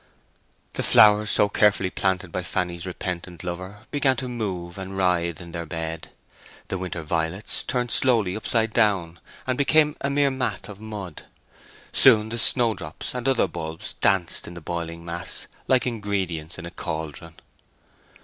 The flowers so carefully planted by Fanny's repentant lover began to move and writhe in their bed. The winter violets turned slowly upside down, and became a mere mat of mud. Soon the snowdrop and other bulbs danced in the boiling mass like ingredients in a cauldron.